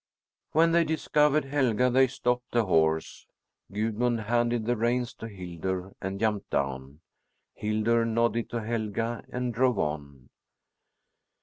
When they discovered Helga, they stopped the horse. Gudmund handed the reins to Hildur and jumped down. Hildur nodded to Helga and drove on.